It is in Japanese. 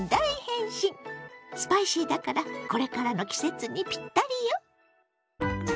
スパイシーだからこれからの季節にピッタリよ！